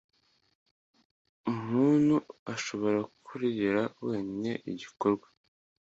muntu ashobora kuregera wenyine igikorwa